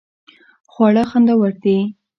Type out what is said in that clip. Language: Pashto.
خواړه خوندور دې